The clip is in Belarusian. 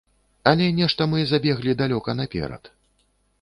Але нешта мы забеглі далёка наперад.